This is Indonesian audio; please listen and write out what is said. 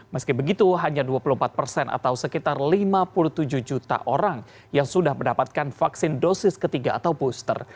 meski begitu hanya dua puluh empat persen atau sekitar lima puluh tujuh juta orang yang sudah mendapatkan vaksin dosis ketiga atau booster